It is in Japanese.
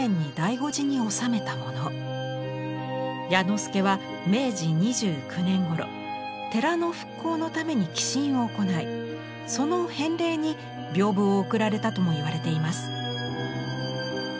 彌之助は明治２９年ごろ寺の復興のために寄進を行いその返礼に屏風をおくられたともいわれています。